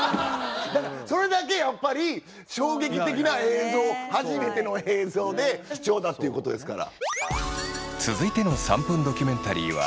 それだけやっぱり衝撃的な映像初めての映像で貴重だっていうことですから。